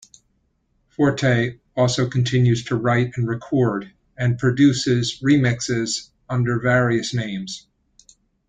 Forte also continues to write and record, and produces remixes under various names.